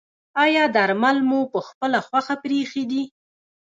ایا درمل مو پخپله خوښه پریښي دي؟